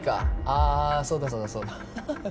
ああそうだそうだそうだ。